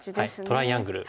トライアングル。